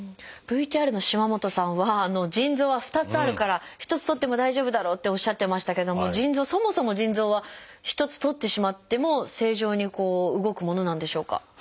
ＶＴＲの島本さんは腎臓は２つあるから１つとっても大丈夫だろうっておっしゃってましたけどもそもそも腎臓は１つとってしまっても正常に動くものなんでしょうか？